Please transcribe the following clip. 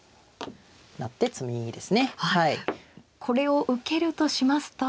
これを受けるとしますと。